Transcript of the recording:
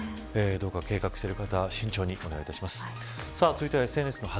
どうか計画している方慎重にお願いします。